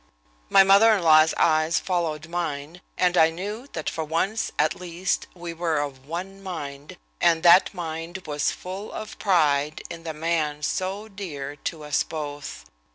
My mother in law's eyes followed mine, and I knew that for once, at least, we were of one mind, and that mind was full of pride in the man so dear to, us both.